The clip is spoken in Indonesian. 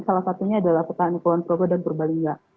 salah satunya adalah petani kuala lumpur dan purbalinga